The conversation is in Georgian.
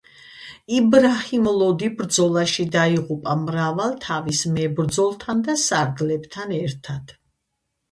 იბრაჰიმ ლოდი ბრძოლაში დაიღუპა მრავალ თავის მებრძოლთან და სარდლებთან ერთად.